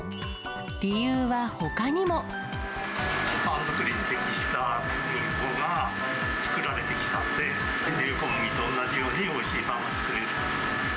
パン作りに適した小麦粉が作られてきたんで、輸入小麦と同じようにおいしいパンが作れる。